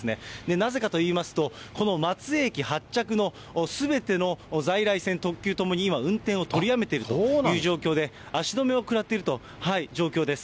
なぜかといいますと、この松江駅発着のすべての在来線、特急ともに今、運転を取りやめているという状況で、足止めを食らっているという状況です。